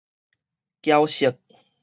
驕色